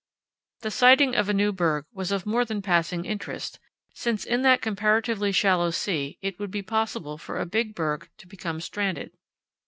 The sighting of a new berg was of more than passing interest, since in that comparatively shallow sea it would be possible for a big berg to become stranded.